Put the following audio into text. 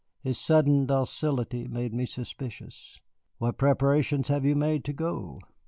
His sudden docility made me suspicious. "What preparations have you made to go?"